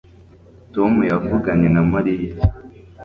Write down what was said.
Tom yavuganye na Mariya iki